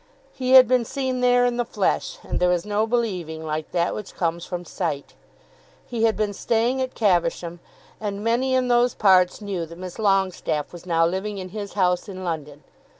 He had been seen there in the flesh, and there is no believing like that which comes from sight. He had been staying at Caversham, and many in those parts knew that Miss Longestaffe was now living in his house in London.